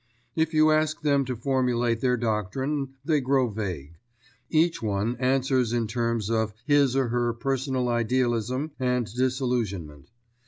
If you ask them to formulate their doctrine, they grow vague. Each one answers in terms of his or her personal idealism and disillusionment.